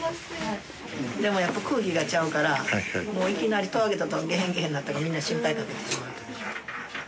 でもやっぱ空気がちゃうからもういきなりゲヘンゲヘンなったらみんな心配掛けてしまう。